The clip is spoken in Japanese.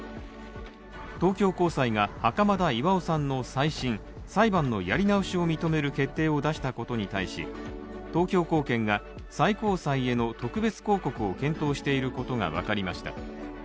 東京高裁が袴田巖さんの再審、裁判のやり直しを認める決定を出したことに対し東京高検が最高裁への特別抗告を検討していることが分かりました。